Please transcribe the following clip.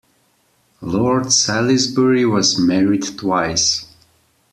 Lord Salisbury was married twice.